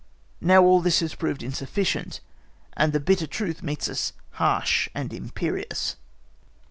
Now, all this has proved insufficient, and the bitter truth meets us harsh and imperious.